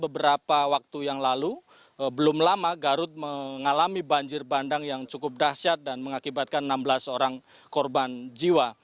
beberapa waktu yang lalu belum lama garut mengalami banjir bandang yang cukup dahsyat dan mengakibatkan enam belas orang korban jiwa